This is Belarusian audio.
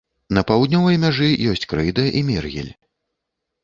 На паўднёвай мяжы ёсць крэйда і мергель.